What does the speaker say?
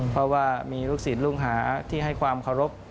เพราะว่ามีลูกศิลปลูกหาที่ให้ความเคารพ